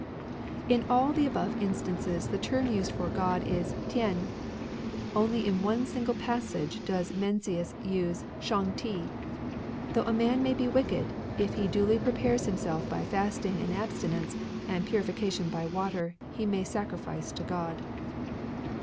In all the above instances the term used for God is THen, Only in one single passage does Mencius use Shang Ti :—" Though a man be wicked, if he duly prepares himself by fasting and abstinence and purification by water, he may sacrifice to God."